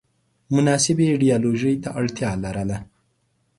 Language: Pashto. مناسبې ایدیالوژۍ ته اړتیا لرله